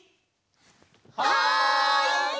はい！